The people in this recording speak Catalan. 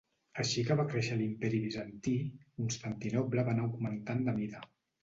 Així que va créixer l'Imperi bizantí, Constantinoble va anar augmentant de mida.